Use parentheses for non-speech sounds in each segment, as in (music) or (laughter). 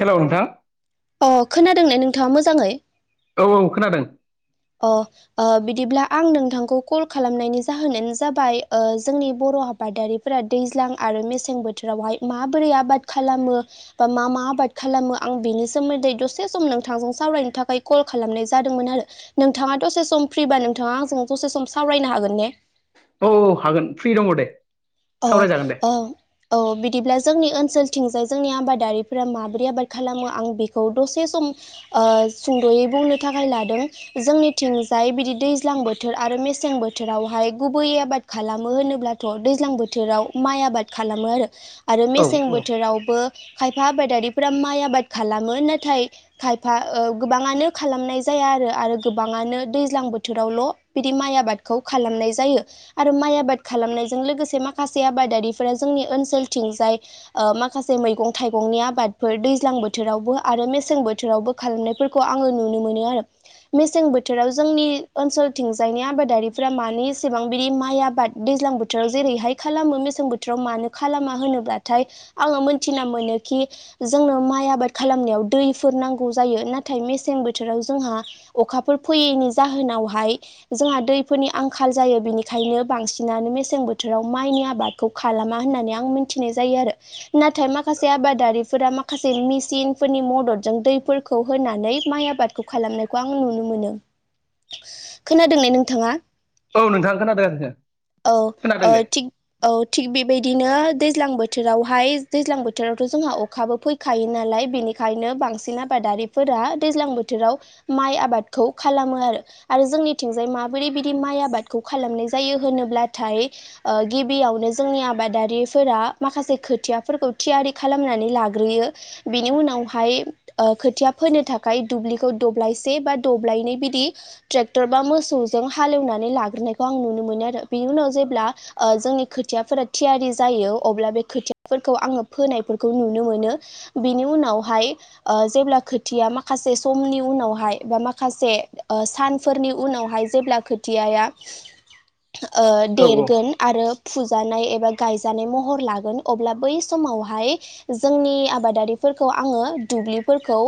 Hello नोंथां अ खोनादों ने नोंथाङा मोजाङै? औ औ खोनादों। अ ओ बिदिब्ला आं नोंथांखौ कल खालामनायनि जाहोनानो जाबाय ओ जोंनि बर' थ आबादारिफोरा दैज्लां आरो मेसें बोथोरावहाय माबोरै आबाद खालामो बा मा मा आबाद खालामो आं बेनि सोमोन्दै दसे सम नोंथांजों सावरायनो थाखाय कल खालामनाय जादोंमोन आरो। नोंथाङा दसे सम फ्रिबा नोंथाङा आंजों दसे सम सावरायनो हागोन ने औ हागोन फ्रि दङ दे। औ सावरायजागोन दे औ औ बिदिब्ला जोंनि ओनसोल थिंजाय जोंनि आबादारिफोरा माबोरै आबाद खालामो आं बेखौ दसे सम ओ सुंद'यै बुंनो थाखाय लादों जोंनिथिंजाय बिदि दैज्लां बोथोर आरो मेसें बोथोरावहाय गुबै आबाद खालामो होनोब्लाथ' दैज्लां बोथ बोथोराव माइ आबाद खालामो आरो आरो औ मेसें औ बोथोरावबो खायफा आबादारिफोरा माइ आबाद खालामो नाथाय खायफा गोबाङानो खालामनाय जाय या आरो गोबांनो दैज्लां बोथोरावल' बिदि माइ आबादखौ खालामनाय जायो आरो माइ आबाद खालामनायजों लोगोसे माखा माखासे आबादारिफोरा जोंनि ओनसोलथिं जाय ओ माखासे मैगं थाइगंनि आबादफोर दैजां बोथोरावबो आरो मेसें बोथोरावबो खालामनायफोरखौ आङो नुनो मोनो आरो मेसें बोथोराव जों जोंनि ओनसोलथिंजायनि आबादारिफोरा मानि सिबां बिदि माइ आबाद दैज्लां बोथोराव जेरैहाय खालामो मसें बोथोराव मानो खालामा होनोब्लाथाय आङो मोनथिना मोनोखि जों मा माइ आबाद खालामनायाव दै फोर नांगौ जायो। नाथाय मेसें बोथोराव जोंहा अखाफोर फैयैनि जाहोनावहाय जोंहा दैफोरनि आंखाल जायो बेनिखायनो बांसिनानो मेसें बोथोराव माइनि आबादखौ खालामा होननानै आं मिथिनाय जायो आरो नाथाय माखासे आबादारिफोरा माख माखासे मेसिनफोरनि मददजों दैफोरखौ होनानै माइ आबादखौ खालामनायखौ आं नुनो मोनो। खोनादों ने नोंथाङा? औ नोंथां खोनादों। औ खोनादों औ दे थि औ थिग बेबायदिनो दैज्लां बोथोरावहाय दैज्लां बोथोरावथ' जोंहा अखाबो फैखायो नालाय बेनिखायनो बांसिन आबादारि फोरा दैज्लां बोथोराव माइ आबादखौ खालामो आरो जोंनिथिंजाय माबोरै बिदि माइ आबादखौ खालामनाय जायो। होनोब्लाथाय ओ गिबियावनो जोंनि आबादारिफोरा माखासे खोथियाफोरखौ थियारि खालामनानै लाग्रोयो बिनि उनावहाया ओ खोथिया फोनो थाखाय दुब्लिखौ दायसे बा दब्लायनै बिदि ट्रेक्टर बा मोसौजों हालेवनानै लाग्रोनायखौ आं नुनो मोनो आरो। ओ बिनि उनाव जेब्ला ओ जोंनि खोथियाफोरा थियारि जायो अब्ला बे खोथियाफोरखौ आङो फोन फोरखौ नुनो मोनो बिनि उनावहाय ओ जेब्ला खोथिया माखासे समनि उनाव हाय माखासे सानफोरनि उनावहाय जेब्ला खोथिया ओ औ देरगोन आरो फुजानाय एबा गायजानाय महर लागोन अब्ला बै समावहाय जोंनि आबादारिफोरखौ आङो दुब्लिफोरखौ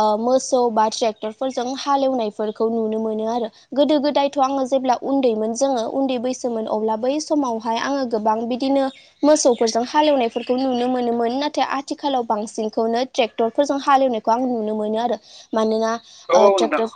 ओ मोसौ बा ट्रेक्टर फोरजों हालएवनायफोरखौ नुनो मोनो आरो गोदो गोदायथ' आङो जेब्ला उन्दैमोन जोङो उन्दै बैसोमोन अब्ला बै समावहाय आङो गोबां बिदिनो मोसौफोरजों हालेवनायफोरखौ नुनो मोनो। मोनोमोन नाथाय आथिखालाव बांसिनखौनो ट्रेक्टरफोरजों हालेवनायखौ आं नुनो मोनो आरो मानोना औ ओ औ नोंथां ट्रेक्टर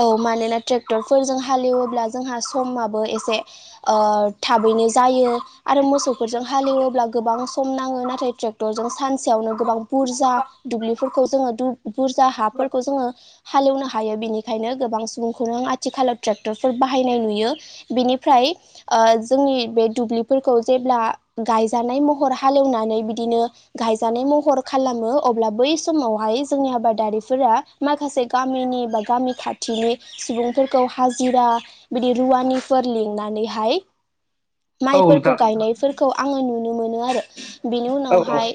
औ मानोना ट्रेक्टरफोरजों हालएवोबब्ला जोंहा समाबो एसे ओ थाबैनो जायो आरो मोसौफोरजों हालेवोब्ला गोबां सम नाङो नाथाय ट्रक्टरजों सानसेयावनो गोबां बुरजा दुब्लिफोरखौ जोङो बुरजा हाफोरखौ जोङो हालेवनो हायो बेनिखायनो गोबां सुबुंखौनो आथिखालाव ट्रेक्टरफोर बाहायनाय नुयो बेनिफ्राय जोंनि बे दुब्लिफोरखौ जेब्ला गायजानाय महर हालेवनानै बिदिनो गायजानाय महर खालामो अब्ला बै समावहाय जोंनि आबादारिफोरा माखासे गामिनि बा गामि खाथिनि सुबुंफोरखौ हाजिरा बिदि रुवानि फोर लिंनानैहाय औ माइफोरखौ नोंथां गायनायफोरखौ आङो नुनो मोनो आरो बिनि औ औ उनावहाय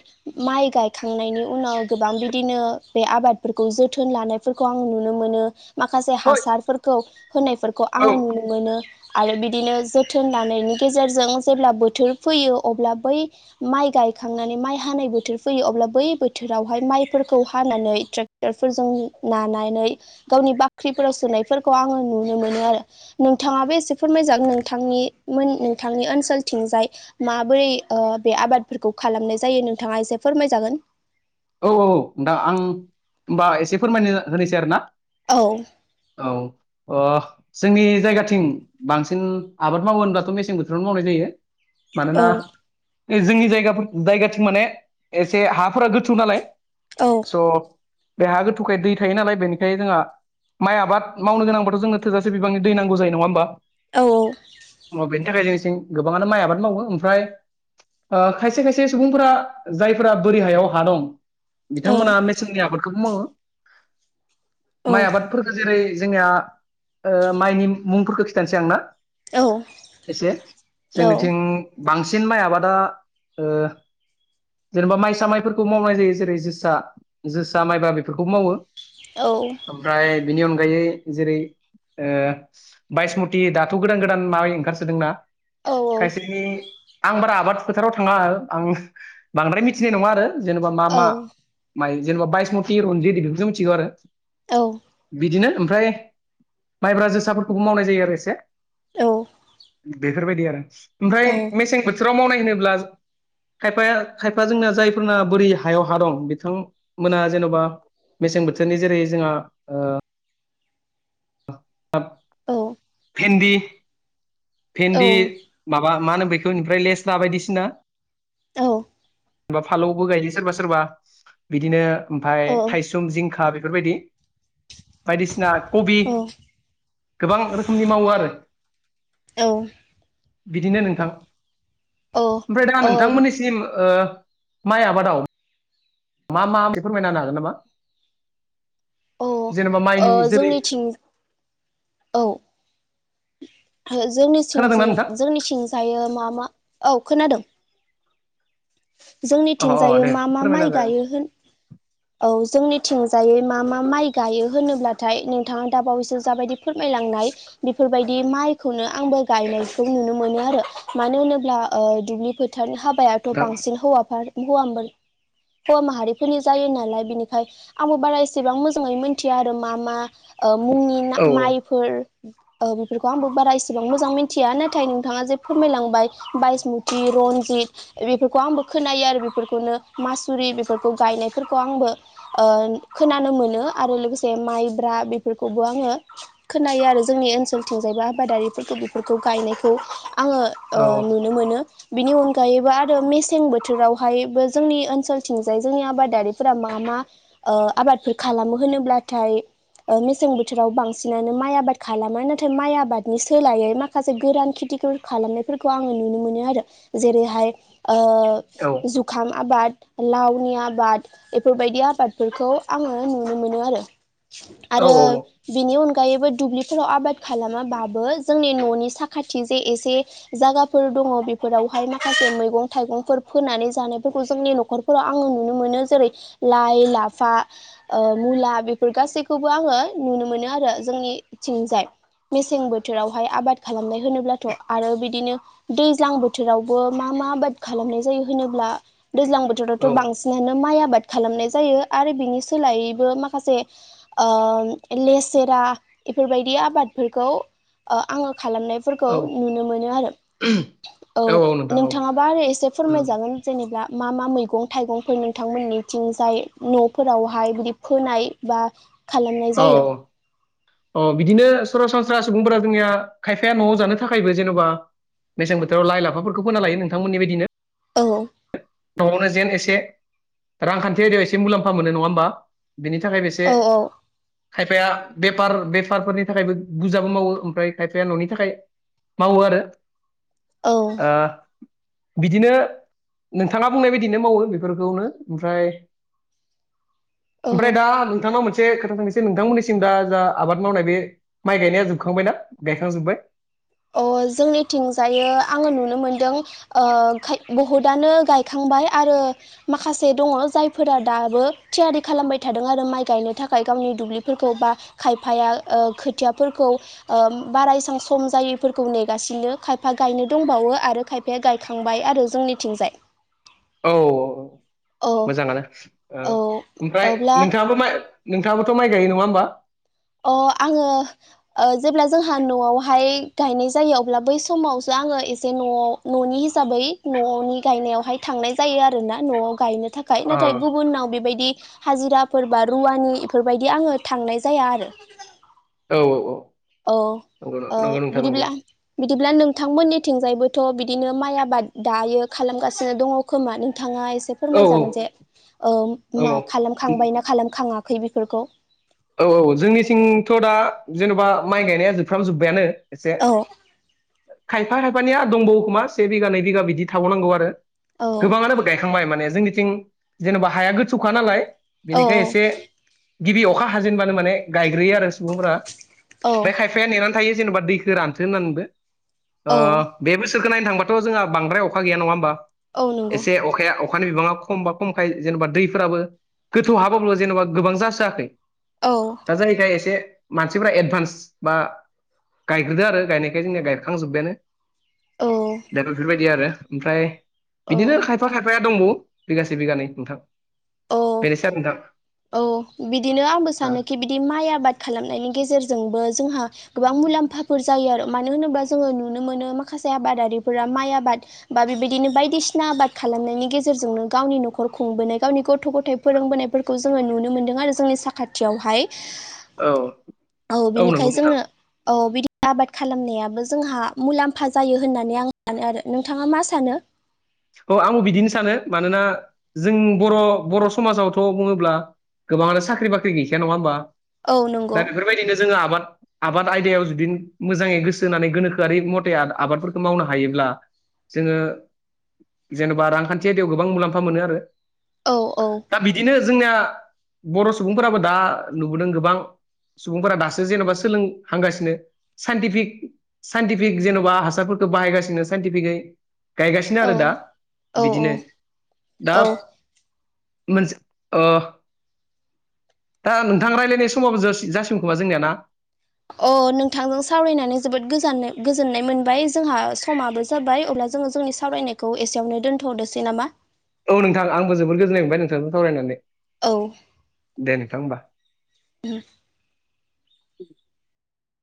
माइ गायखांनायनि उनाव गोबां बिदिनो बे आबादफोरखौ जोथोन लानायफोरखौ आं नुनो मोनो माखासे ओइ हासारफोरखौ होनायफोरखौ औ आङो नुनो मोनो आरो बिदिनो जोथोन लानायनि गेजेरजों जेब्ला बोथोर फैयो अब्ला बै माइ गाय गायखांनानै माइ हानाय बोथोर फैयो अब्ला बै बोथोरावहाय माइफोरखौ हानानै ट्रेक्टरफोरजों नानानै गावनि बाख्रिफोराव सोनायफोरखौ आङो नुनो मोनो आरो नोंथाङाबो एसे फोरमायजागोन नोंथांनि मोन नोंथांनि ओनसोलथिंजाय माबोरै बे आबादफोरखौ खालामनाय जायो नोंथाङा एसे फोरमायजागोन औ औ औ नोंथां आं होनबा एसे फोरमायनो होनोसै आरो ना औ औ अ जोंनि जायगाथिं बांसिन आबाद मावो होनबाथ' मेसें बोथोरावनो मावनाय जायो औ मानोना जोंनि जायगा जायगाथिं माने एसे हाफोरा गोथ थौ नालाय औ बेहा गोथौखाय दै थायो नालाय बेनिखायनो जोंहा माइ आबाद मावनो गोनांब्लाथ' जोङो थोजासे बिबांनि दै नांगौ जायो नङा होमबा औ अ बेनि थाखाय जोंनिथिं गोबाङानो माइ आबाद मावो ओमफ्राय ओ खायसे खायसे सुबुंफोरा जायफोरा बोरि हायाव हा दं औ बिथांमोना मेसेंनि आबादखौबो मावो औ माइ आबादफोरखो जेरै जोंनिया ओ माइनि मुंफोरखौ खिथानोसै आंना औ एसे औ जोंनिथिं बांसिन माइ आबादा ओ जेनेबा माइसा माइ मावनाय जायो जेरै जोसा जोसा माइब्रा बेफोरखौबो मावो ओमफ्राय बेनि अनगायै जेरै ओ बायसमुति दाथ' गोदान गोदान माइ ओंखारसोदोंना औ खायसेनि आं बारा आबाद फोथाराव थाङा आं बांद्राय मिथिनाय नङा आरो जेनेबा मा मा माय जेनेबा बायस मति रनजितस इदिखौसो मिथिगौ आरो औ बिदिनो ओमफ्राय माइब्रा जोसाफोरखौबो मावनाय जायो आरो एसे औ बेफोरबायदि आरो ओमफ्राय मेसें बोथोराव मावनाय होनोब्ला खायफाया खायफा जोंना जाय फोरना बोरै हायाव हा दं बिथांमोना जेन'बा मेसें बोथोरनि जेरै जोंहा ओ (unintelligible) औ भेन्दि औ भेन्दि माबा मा होनो बेफोरनिफ्राय लेस ला बायदिसिना जेनेबा फानलुआवबो गायो सोरबा सोरबा बिदिनो ओमफ्राय थायसुम जिंखा बेफोरबायदि बायदिसिना कबि गोबां रोखोम रोखोमनि मावो आरो बिदिनो नोंथां ओमफ्राय दा औ नोंथांमोननिसिम ओ माइ आबादाव मा मा बेफोर (unintelligible) हागोन नामा औ जेनेबा ओ माइनि जोलै जोंनिथिं औ जोंनिथिं खोनादोंना नोंथां जोंनिथिं जायो मा मा औ खोनादों अ अ जोंनिथिंजाय दे मा मा फोरमायना माइ होजागोन गायो होन औ जोंनिथिंजायै मा मा माइ गायो होनोब्लाथाय नोंथाङा दाबावैसो जाबायदि फोरमायलांनाय बेफोरबायदि माइखौनो आंबो गायनायखौ नुनो मोनो आरो मानो होनोब्ला दुब्लि फोथारनि हाबायाथ' नोंथां बांसिन हौवाफोर हौवा हौवा माहारिफोरनि जायो लाय बिनिफाय आंबो बारा इसेबां मोजाङै मोनथिया आरो मा मा ओ मुंनि औ माइफोर ओ बेफोरखौ आंबो बारा इसेबां मोजां मिथिया नाथाय नोंथाङा जे फोरमायलांबाय बायसमुथि रनजित बेफोरखौ आंबो खोनायो आरो बेफोरखौनो मासुरि बेफोरखौ गायनायफोरखौ खौ आंबो ओ खोनानो मोनो आरो लोगोसे माइब्रा बेफोरखौबो आङो खोनायो आरो जोंनि ओनसोलथिंजायबो आबादारिफोरखौ बेफोरखौ गायनायखौ आङो ओ औ नुनो मोनो बेनि अनगा गायोबो आरो मेसें बोथोरावहायबो जोंनि ओनसोलथिंजाय जोंनि आबादारि फोरा मा मा ओ आबादफोर खालामो होनोब्लाथाय मेसें बोथोराव बांसिनानो माइ आबाद खालामा नाथाय माइ आबादनि सोलायै माखासे गोरान खिथि थि खालामनायफोरखौ आङो नुनो मोनो आरो जेरैहाय ओ औ जुखाम आबाद लावनि आबाद बेफोरबायदि आबादफोरखौ आङो नुनो मोनो आरो औ आरो बेनि अनगा अनगायैबो दुब्लिफोराव आबाद खालामाबाबो जोंनि न'नि साखाथि जे एसे जायगाफोर दङ बेफोरावहाय माखासे मैगं थाइगंफोर फोनानै जानायफोरखौ जोंनि न'खरफोराव आङो नुनो मोनो जेरै लाइ लाफा ओ मुला बेफोर गासैखौबो आङो नुनो मोनो आरो जोंनि थिंजाय मेसें बोथोरावहाय आबाद खालामनाय होनोब्लाथ' आरो बिदिनो दैज्लां बोथोरावबो मा मा आबाद खालामनाय जायो होनोल्बा दैज्लां बोथोरावथ' औ बांसिननानो माइ आबाद आबाद खालामनाय जायो आरो बिनि सोलायैबो माखासे ओ लेसेरा बेफोरबायदि आबादफोरखौ ओ आङो खालामनायफोरखौ नुनो मोनो आरो औ नोंथाङाबो आरो एसे उम फोरमायजागोन जेनेबा मा मा मैगं थाइगंफोर नोंथांमोननि बिथिंजाय न'फोरावहाय बिदि फोनाय बा खालामनाय औ जायो औ अ बिदिनो सरासनस्रा सुबुंफोरा जोंनिया खायफाया न'आव जानो थाखायबो जेन'बा मेसें बोथोराव लाइ लाफाफोरखौ फोना लायो नोंथांमोननि बायदिनो औ न'आवनो जेन एसे रांखान्थिआयदायाव एसे मुलाम्फा मोनो नङा होमबा बिनि थाखाय बेसे औ औ खायफाया बेफार बेफारफोरनि थाखायबो बुरजाबो मावो ओमफ्राय खायफाया न'नि थाखाय मावो आरो औ ओ बिदिनो नोंथाङा बुंनाय बायदिनो मावो बेफोरखौनो ओमफ्राय ओमफ्राय औ दा नोंथांनाव मोनसे मोनसे खोथा थांनोसै नोंथांमोननिसिम दा जा आबाद मावनाय बे माइ गायनाया जोबखांबायना गायखांजोबाय औ जोंनिथिंजाय आङो नुनो मोनदों ओ बहुदानो गायखांबाय आरो ओ माखासे दङ जायफोरा दाबो थियारि खालामबाय थादों आरो माइ गायनो थाखाय गावनि दुब्लि सोरखौबा खायफाया ओ खोथियाफोरखौ ओ बारा इसां सम जायि फोरखौ नेगासिनो खायफा गायनो दंबावो आरो खायफाया गायखांबाय आरो जोंनिथिंजाय औ औ मोजाङानो औ ओमफ्राय अब्ला नोंथाङाबो माय नोंथाङाबोथ' माइ गायो नङा होमबा अ आङो ओ जेब्ला जोंहा न'आवहाय गायनाय जायो अब्ला बै समावसो आङो एसे न'आव न'नि हिसाबै न'नि गायनायावहाय थांनाय जायो आरोना न'आव गायनो थाखाय ओ नाथाय गुबुनाव बेबायदि हाजिराफोर बा रुवानि बेफोरबायदि आङो थांनाय जाया आरो औ औ औ औ नंगौ ओ नंगौ नोंथां नंगौ बिदिब्ला बिदिब्ला नोंथांमोननिथिंजायबोथ' बिदिनो माइ आबाद दायो खालामगासिनो दङ खोमा नोंथाङा एसे औ फोरमायजागोन जे औ ओ मा खालामखांबाय ना खालाम खाङाखै बेफोरखौ औ औ औ जोंनिथिंथ' दा जेन'बा माइ गायनाया जोबफ्राम जोब्बायानो । एसे औ खायफा खायफानिया दंबावो खोमा से बिगा नै बिगा बिदि थाबावनांगौ आरो । औ गोबाङानोबो गायखांबाय माने जोंनिथिं जेनेबा हाया गोथौखा नालाय औ बेनिखाय एसे गिबि अखा हाजेनबानो माने गाय ग्रोयो आरो सुबुंफोरा औ ओमफ्राय खायफाया नेनानै थायो जेनोबा दैखो रानथो होननानैबो । औ ओ बे बोसोरखौ नायनो थांबाथ' जोंहा बांद्राय अखा गैया नङा होमबा? औ नंगौ एसे अखाया अ अखानि बिबाङा खमबा खमखाय जेनेबा दैफोराबो गोथौ हाब्लाबो जेनेबा गोबां जासोआखै औ । दा जायोखाय एसे मानसिफ्रा एडभान्स बा गायग्रोदो आरो गायनायखाय जोंनिया गायखांजोब्बायानो । औ दा बेफोरबायदि आरो ओमफ्राय औ बिदिनो खायफा खायफाया दंबावो बिगासे बिगानै नोंथां । औ औ बिदि बेनो आंबो सानोखि बिदि माइ आबाद खालामनायनि गेजेरजोंबो जोंहा गोबां मुलाम्फाफोर जायो आरो मानो होनोबा जोङो नुनो मोनो माखासे आबादारिफोरा माइ आबाद बा बिदिनो बायदिसिना आबाद खालामनायनि गेजेरजोंनो गावनि न'खर खुंबोनाय गावनि गथ' गथ थाय फोरोंबोनायफोरखौ जोङो नुनो मोनदों आरो जोंनि साखाथियावहाय औ औ नंगौ बिनिखाय नोंथां जोंनो औ बिदि आबाद खालामनायाबो जोंहा मुलाम्फा जायो होननानै आं सानो आरो नोंथाङा मा सानो? औ आंबो बिदिनो सानो मानोना जों बर' बर' समाजावथ' बुङोब्ला गोबाङानो साख्रि बाख्रि गैखाया नङा होमबा औ नंगौ दा बेफोरबायदिनो जोङो आबाद आबाद आयदायाव जुदि मोजाङै गोसो होनानै गोनोखोआरि मथे आबादफोरखौ मावनो हायोब्ला जोङो जेनेबा रांखान्थि आयदायाव गोबां मुलाम्फा मोनो आरो औ औ दा बिदिनो जोंनिया बर' सुबुंफोराबो दा नुबोदों गोबां सुबुंफोरा दासो जेन'बा सोलोंहांगासिनो साइनटिफिक साइन्टिफिक जेन'बा हासारफोरखौ बाहायगासिनो साइनटिफिकै गायगासिनो आरो औ दा औ औ बिदिनो दा औ मोनसे ओ दा नोंथां रायलायनाय समाबो जास जासिगोन खोमा जोंनिया ना? अ नोंथांजों सावरायनानै जोबोद गोजाननाय गोजोननाय मोनबाय जोंहा समाबो जाबाय अब्ला जोङो जोंनि सावरायनायखौ एसेयावनो दोन्थ'दोसै नामा? औ नोंथां आंबो जोबोद गोजोन्नाय मोनबाय नोंथांजों सावरायनानै । औ । दे नोंथां होमबा । (unintelligible) (inaudible)